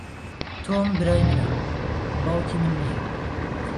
تۆم برای منە، باوکی من نییە.